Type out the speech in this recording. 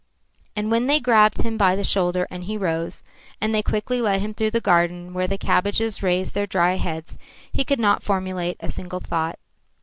And when they grabbed him by the shoulder and he rose, and they quickly led him through the garden where the cabbages raised their dry heads, he could not formulate a single thought.